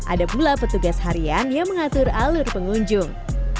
ada pula petugas harian yang mengatur alur pengunjung